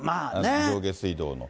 上下水道の。